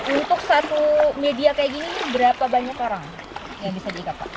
untuk satu media seperti ini berapa banyak karang yang bisa diikat pak